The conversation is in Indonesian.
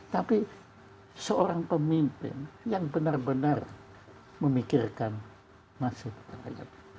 tapi seorang pemimpin yang benar benar memikirkan masuk rakyat